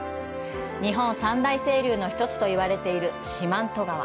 日本三大清流の１つと言われている四万十川。